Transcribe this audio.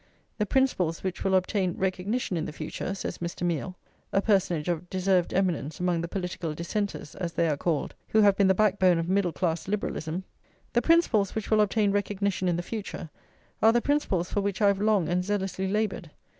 "The principles which will obtain recognition in the future," says Mr. Miall, a personage of deserved eminence among the political Dissenters, as they are called, who have been the backbone of middle class liberalism "the principles which will obtain recognition in the future are the principles for which I have long and zealously laboured.